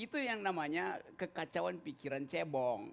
itu yang namanya kekacauan pikiran cebong